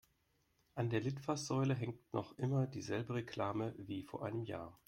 An der Litfaßsäule hängt noch immer dieselbe Reklame wie vor einem Jahr.